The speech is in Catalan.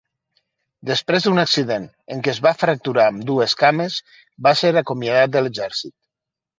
Després d'un accident, en què es va fracturar ambdues cames va ser acomiadat de l'exèrcit.